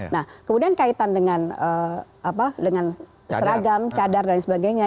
nah kemudian kaitan dengan seragam cadar dan sebagainya